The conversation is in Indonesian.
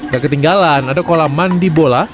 gak ketinggalan ada kolam mandi bola